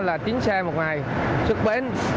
là chiến xe một ngày xuất bến